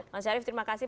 mas arief terima kasih